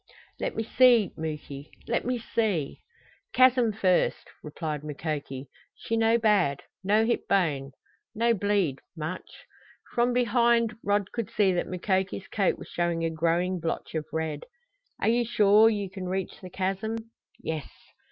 "Let me see, Muky let me see " "Chasm first," replied Mukoki. "She no bad. No hit bone. No bleed much." From behind Rod could see that Mukoki's coat was showing a growing blotch of red. "Are you sure you can reach the chasm?" "Yes."